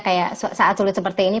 kayak saat sulit seperti ini